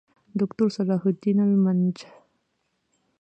دوکتورصلاح الدین المنجد